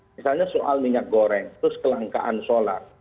misalnya soal minyak goreng terus kelangkaan solar